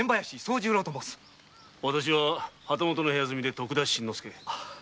旗本の部屋住みで徳田新之助